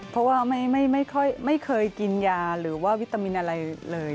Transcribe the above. เพราะว่าไม่เคยกินยาหรือว่าวิตามินอะไรเลย